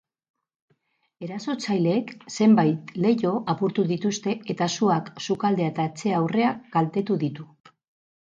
Erasotzaileek zenbait leiho apurtu dituzte eta suak sukaldea eta etxe aurrea kaltetu ditu.